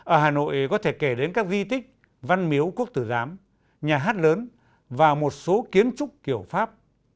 ở hà nội có thể kể đến các di tích văn miếu quốc tử giám nhà hát lớn và một số kiến trúc kiểu pháp